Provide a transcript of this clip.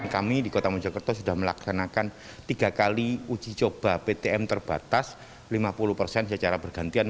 kami di kota mojokerto sudah melaksanakan tiga kali uji coba ptm terbatas lima puluh persen secara bergantian